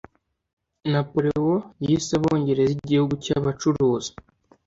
napoleon yise abongereza igihugu cyabacuruzi